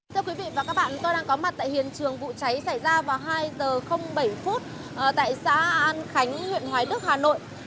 thưa quý vị và các bạn tôi đang có mặt tại hiện trường vụ cháy xảy ra vào hai h bảy phút tại xã an khánh huyện hoài đức hà nội